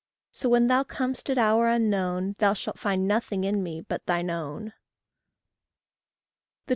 So when thou com'st at hour unknown, Thou shalt find nothing in me but thine own. 21.